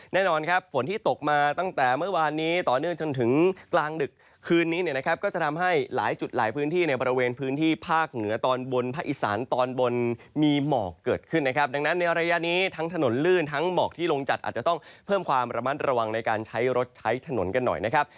แน่นอนครับฝนที่ตกมาตั้งแต่เมื่อวานนี้ตอนนึงจนถึงกลางดึกคืนนี้นะครับ